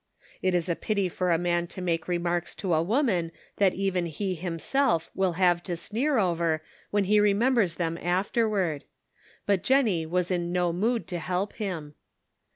It is a pity for a man to make remarks to a Woman that even he himself will have to sneer over when he remembers them afterward. But Jennie was in no mood to help him.